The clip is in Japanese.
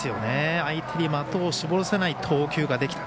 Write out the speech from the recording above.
相手に的を絞らせない投球ができた。